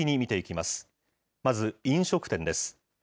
まず飲食店です。